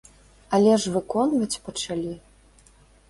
Але ж выконваць пачалі!